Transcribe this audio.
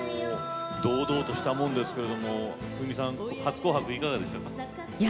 堂々としたもんですけれど初「紅白」、いかがでしたか？